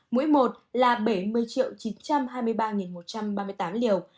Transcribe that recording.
mỗi một là bảy mươi chín trăm hai mươi ba một trăm ba mươi tám liều